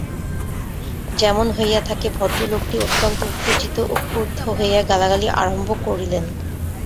যেমন হইয়া থাকে, ভদ্রলোকটি অত্যন্ত উত্তেজিত ও ক্রুদ্ধ হইয়া গালাগালি আরম্ভ করিলেন।